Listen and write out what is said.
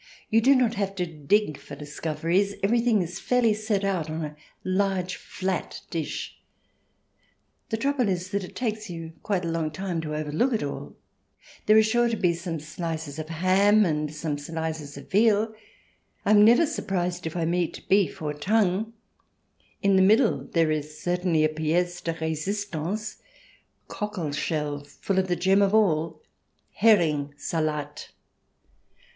You do not have to dig for discoveries ; everything is fairly set out on a large flat dish ; the trouble is that it takes you quite a long time to overlook it all. There are sure to be some slices of ham and some slices of veal. I am never surprised if I meet beef or tongue. In the middle there is certainly a piece de resistance^ a cockle shell full of the gem of all, HSring Salat.